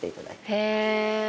へえ。